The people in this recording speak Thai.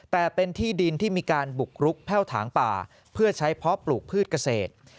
แต่เป็นที่ดินที่มีการบุกรุกแพ่วถางป่าเพื่อใช้เพาะปลูกพืชเกษตร